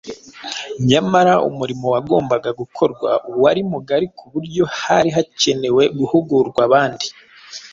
nyamara umurimo wagombaga gukorwa wari mugari ku buryo hari hakenewe guhugura abandi